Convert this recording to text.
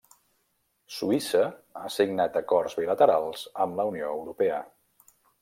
Suïssa ha signat acords bilaterals amb la Unió Europea.